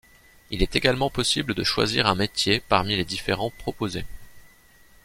Il est également possible de choisir un métier parmi les différents proposés.